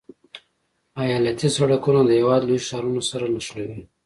ایالتي سرکونه د هېواد لوی ښارونه سره نښلوي